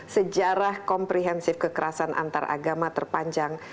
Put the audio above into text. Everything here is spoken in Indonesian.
sejarah komprehensif kekerasan antaragama terpanjang